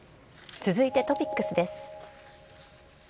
続いてトピックスです。